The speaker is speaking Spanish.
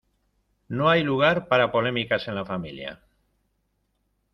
No hay lugar para polémicas en la familia.